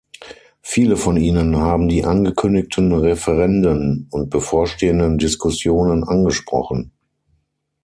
Viele von Ihnen haben die angekündigten Referenden und bevorstehenden Diskussionen angesprochen.